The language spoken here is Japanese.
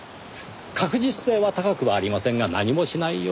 確実性は高くはありませんが何もしないよりはマシ。